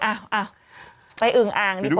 อ่าไปอึงอางดีกว่า